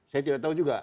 saya tidak tahu juga